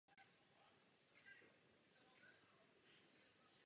Jeho způsob lovu potravy je prostý.